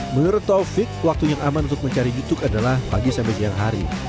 menurut taufik waktu yang aman untuk mencari youtube adalah pagi sampai siang hari